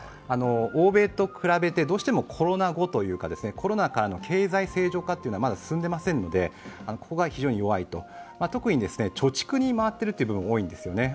欧米と比べてどうしてもコロナ後というかコロナからの経済正常化がまだ進んでいませんのでここが非常に弱い、特に貯蓄に回っている部分が多いんですね。